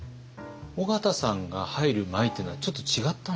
緒方さんが入る前というのはちょっと違ったんですか？